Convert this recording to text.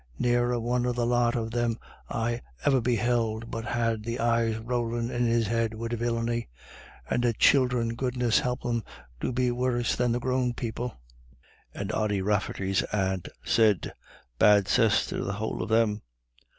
Ne'er a one of the lot of them I ever beheld but had the eyes rowlin' in his head wid villiny. And the childer, goodness help them, do be worse than the grown people." And Ody Rafferty's aunt said, "Bad cess to the whole of them."